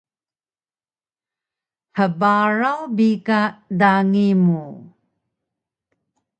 Hbaraw bi ka dangi mu